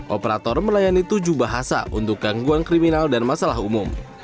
operator melayani tujuh bahasa untuk gangguan kriminal dan masalah umum